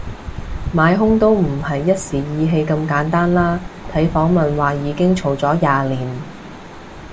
買兇都唔係一時意氣咁簡單啦，睇訪問話已經嘈咗廿年